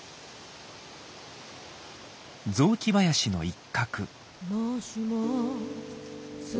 雑木林の一角。